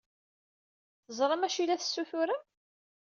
Teẓram d acu ay la tessuturem?